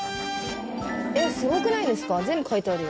えっすごくないですか？